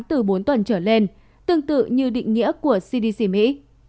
từ bốn tuần trở lên tương tự như định nghĩa của cdc mỹ